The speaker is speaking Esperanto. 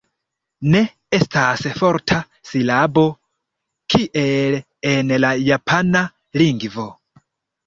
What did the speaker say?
Ne estas forta silabo, kiel en la japana lingvo.